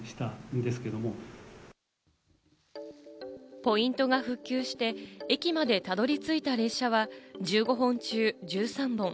ポイントが復旧して駅までたどり着いた列車が１５本中１３本。